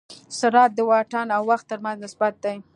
سرعت د واټن او وخت تر منځ نسبت دی.